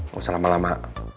gak usah lama lama